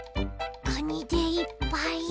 カニでいっぱい！